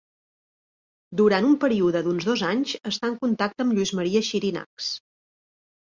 Durant un període d'uns dos anys està en contacte amb Lluís Maria Xirinacs.